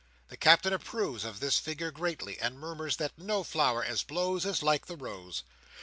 The Captain approves of this figure greatly; and murmurs that no flower as blows, is like the rose.